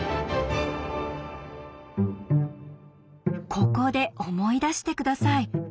ここで思い出して下さい。